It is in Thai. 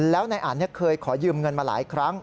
แล้วนายอันเคยขอยืมเงินมาหลายครั้ง